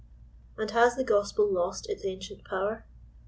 And has the gospel lost its ancient power